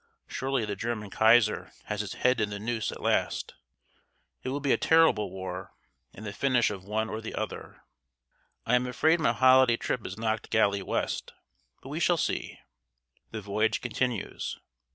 Surely the German kaiser has his head in the noose at last: it will be a terrible war, and the finish of one or the other. I am afraid my holiday trip is knocked galley west; but we shall see." The voyage continues.